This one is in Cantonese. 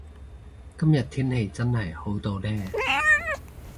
今日天氣真係好到呢